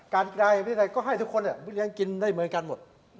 การกีฬาอย่างนี้ก็ให้ทุกคนกินได้เหมือนกันหมด